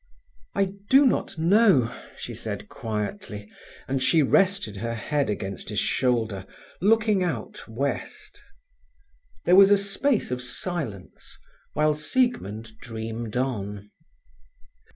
"I do not know," she said quietly; and she rested her head against his shoulder, looking out west. There was a space of silence, while Siegmund dreamed on.